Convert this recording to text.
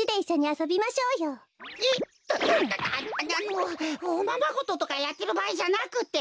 おままごととかやってるばあいじゃなくて！